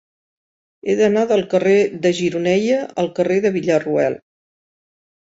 He d'anar del carrer de Gironella al carrer de Villarroel.